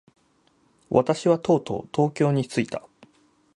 私はとうとう東京に着いた。